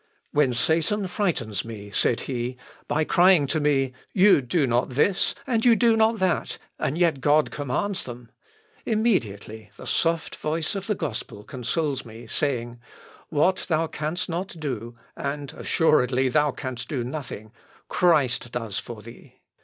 "When Satan frightens me," said he, "by crying to me: You do not this, and you do not that, and yet God commands them! immediately the soft voice of the gospel consoles me, saying: What thou canst not do (and assuredly thou canst do nothing,) Christ does for thee."